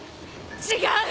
違う！